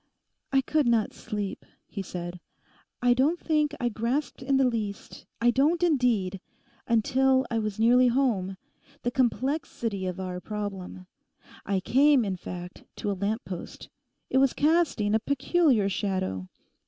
'I could not sleep,' he said; 'I don't think I grasped in the least, I don't indeed, until I was nearly home, the complexity of our problem. I came, in fact, to a lamppost. It was casting a peculiar shadow.